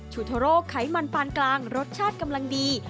โทโร่ไขมันปานกลางรสชาติกำลังดี